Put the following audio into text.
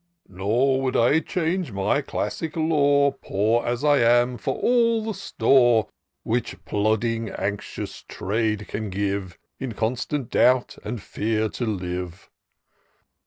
Nor would I change my Classic lore. Poor as I am, for all the store Which plodding anxious trade can give. In constant doubt and fear to live.